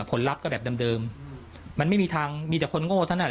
ลัพธ์ก็แบบเดิมมันไม่มีทางมีแต่คนโง่เท่านั้นแหละ